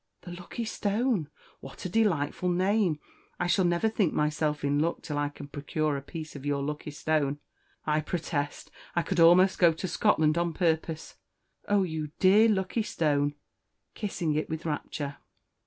"The lucky stone! what a delightful name! I shall never think myself in luck till I can procure a piece of your lucky stone. I protest, I could almost go to Scotland on purpose. Oh, you dear lucky stone!" kissing it with rapture.